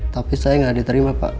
tapi saya nggak diterima pak